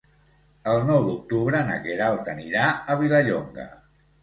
El nou d'octubre na Queralt anirà a Vilallonga.